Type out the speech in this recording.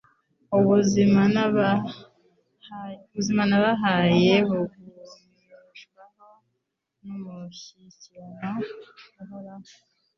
Ubuzima nabahaye bugumishwaho n'umushyikirano uhoraho.